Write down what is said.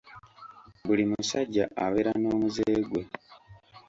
Buli musajja abeera n'omuze gwe.